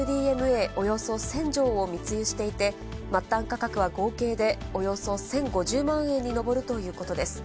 およそ１０００錠を密輸していて、末端価格は合計でおよそ１０５０万円に上るということです。